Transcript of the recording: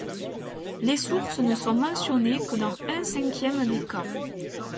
Les sources ne sont mentionnées que dans un cinquième des cas.